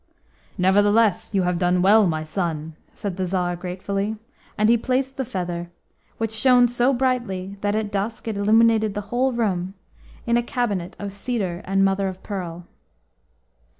"Nevertheless, you have done well, my son," said the Tsar gratefully, and he placed the feather, which shone so brightly that at dusk it illuminated the whole room, in a cabinet of cedar and mother of pearl.